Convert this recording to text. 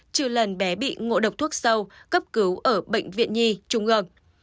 trừ lần bé bị ngộ độc thuốc sâu cấp cứu ở bệnh viện nhi trung ương